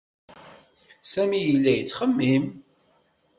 Sami yella yettxemmim.